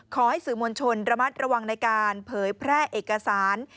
ขอให้สื่อมวลชนระมัดระวังในการเผยแพร่เอกสาร